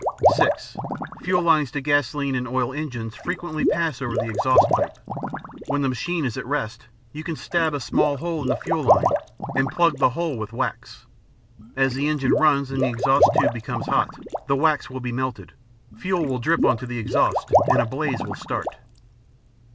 (6) Fuel lines to gasoline and oil engines frequently pass over the exhaust pipe. When the machine is at rest, you can stab a small hole in the fuel line and plug the hole with wax. As the engine runs and the exhaust tube becomes hot, the wax will be melted; fuel will drip onto the exhaust and a blaze will start.